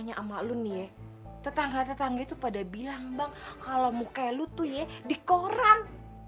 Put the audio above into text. sama lo nih ya tetangga tetangga itu pada bilang bang kalau muka lo tuh ya di koran